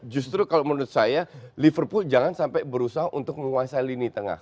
justru kalau menurut saya liverpool jangan sampai berusaha untuk menguasai lini tengah